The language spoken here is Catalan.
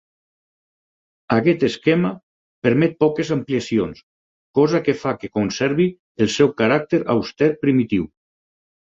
Aquest esquema permet poques ampliacions, cosa que fa que conservi el seu caràcter auster primitiu.